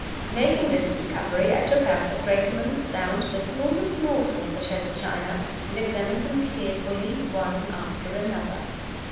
Making this discovery, I took out the fragments, down to the smallest morsel of the shattered china, and examined them carefully one after another.